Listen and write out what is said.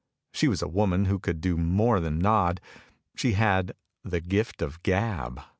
She was a woman who could do more than nod, she had " the gift of the gab!